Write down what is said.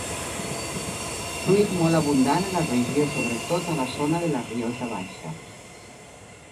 Fruit molt abundant a la regió sobretot a la zona de la Rioja Baixa.